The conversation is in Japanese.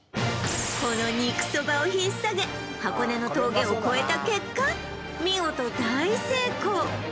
この肉そばをひっさげ箱根の峠を越えた結果見事大成功